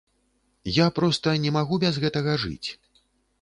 Я проста не магу без гэтага жыць.